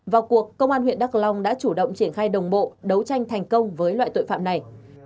vào cuộc công an huyện đắk long đã chủ động triển khai đồng bộ đấu tranh thành công với loại tội phạm này